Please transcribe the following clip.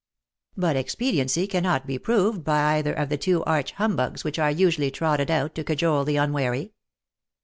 But expediency cannot be proved by either of the two arch humbugs which are usually trotted out to cajole the unwary.